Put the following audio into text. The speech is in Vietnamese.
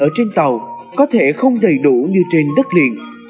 ở trên tàu có thể không đầy đủ như trên đất liền